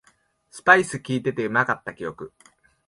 スパイスきいててうまかった記憶